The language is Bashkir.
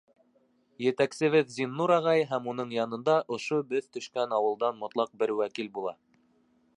Етәксебеҙ Зиннур ағай һәм уның янында ошо беҙ төшкән ауылдан мотлаҡ бер вәкил була.